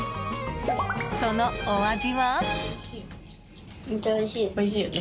そのお味は？